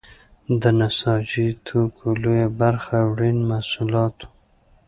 د نساجي توکو لویه برخه وړین محصولات وو.